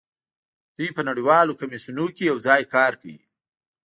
دوی په نړیوالو کمیسیونونو کې یوځای کار کوي